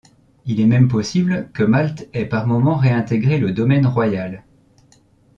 Il est même possible que Malte ait par moments réintégré le domaine royal.